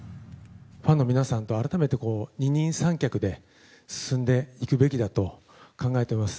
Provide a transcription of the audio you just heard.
ファンの皆さんと改めて二人三脚で進んでいくべきだと考えてます。